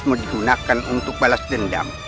menggunakan untuk balas dendam